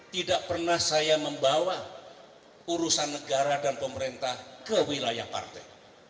tidak pernah saya membawa urusan negara dan pemerintah ke wilayah partai